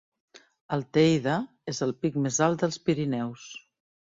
El Teide és el pic més alt dels Pirineus.